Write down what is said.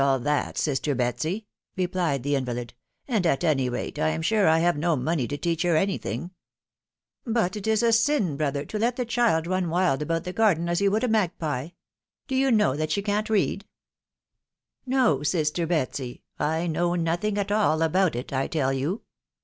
all that, sister Betsy/' replied the invalid.;, "and* at any rate, Ian sureXhaAsft na monayi to teach, her any thing," " But, it is a* sin* bcother, tot. 1st the childlrujc wild ahonsr the. garden aa you would a oaagpife •.....< Do you. know tfcasr she can' tread?" "No, sister Batsy, I know nothing at, all about it, I tell you.